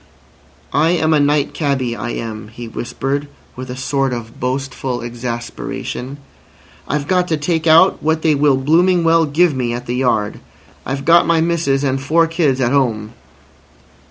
"I am a night cabby, I am," he whispered, with a sort of boastful exasperation. "I've got to take out what they will blooming well give me at the yard. I've got my missus and four kids at 'ome."